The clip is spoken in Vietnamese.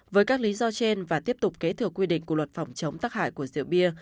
với các lý do trên và tiếp tục kế thừa quy định của luật phòng chống tắc hại của rượu bia